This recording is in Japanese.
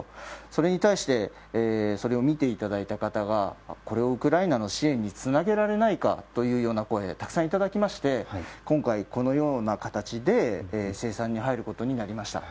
それに対してそれ見ていただいた方がこれをウクライナの支援につなげられないかという声をたくさんいただきまして今回、このような形で生産に入ることになりました。